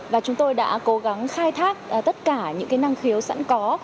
và chúng tôi đã cố gắng khai thác tất cả những năng khiếu sẵn có